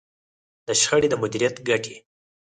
د شخړې د مديريت ګټې.